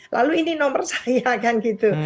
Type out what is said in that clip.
lalu ini nomor saya kan gitu